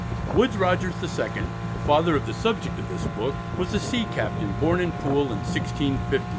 Woodes Rogers the second, the father of the subject of this book, was a sea captain, born at Poole in 1650.